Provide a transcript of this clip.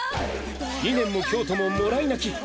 二年も京都ももらい泣き。